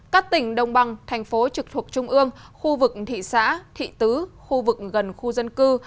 các tỉnh đồng bằng thành phố trực thuộc trung ương khu vực thị xã thị tứ khu vực gần khu dân cư